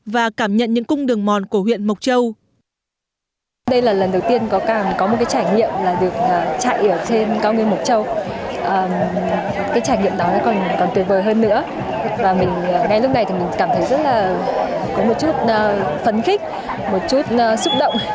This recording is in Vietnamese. và cảm nhận những cung đường mòn của huyện mộc châu